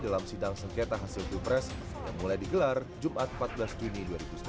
dalam sidang sengketa hasil pilpres yang mulai digelar jumat empat belas juni dua ribu sembilan belas